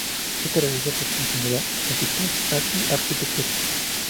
Se caracteriza por su singular arquitectura.